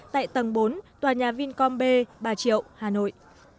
tại tầng bốn tòa nhà vincom b bà triệu hà nội